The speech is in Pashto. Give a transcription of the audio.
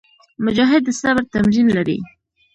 مجاهد د صبر تمرین لري.